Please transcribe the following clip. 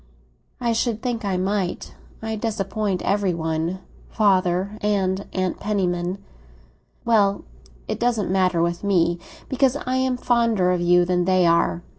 "I should think I might. I disappoint every one—father and Aunt Penniman." "Well, it doesn't matter with me, because I am fonder of you than they are."